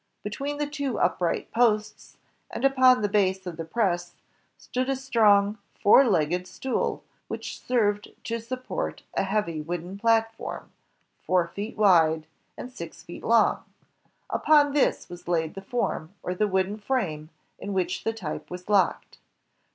Between the two upright posts, and upon the base of the press, stood a strong, four legged stool, which served to support a heavy wooden platform, four feet wide and 200 INVENTIONS OF PRINTING AND COMMUNICATION six feet long. Upon this was laid the form, or the wooden frame in which the type was locked.